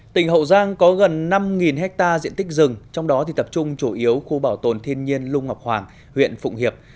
tỉnh hậu giang có gần năm hectare diện tích rừng trong đó tập trung chủ yếu khu bảo tồn thiên nhiên lung ngọc hoàng huyện phụng hiệp